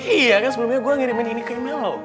iya kan sebelumnya gue ngirimin ini ke email lo